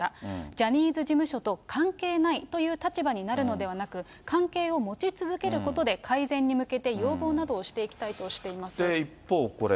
ジャニーズ事務所と関係ないという立場になるのではなく、関係を持ち続けることで、改善に向けて要望などをしていきたいと一方、これ。